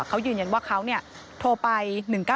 เขายืนยังว่าเขาเนี่ยโทรไป๑๙๑